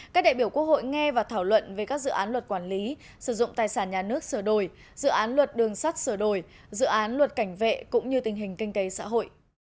các đại biểu quốc hội nghe và thảo luận về các dự án luật quản lý sử dụng tài sản nhà nước sửa đổi dự án luật đường sắt sửa đổi dự án luật cảnh vệ cũng như tình hình kinh tế xã hội